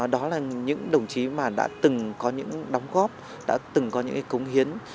đó là những đồng chí mà đã từng có những đóng góp đã từng có những cống hiến